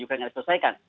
ukraine yang diselesaikan